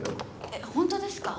えっ本当ですか？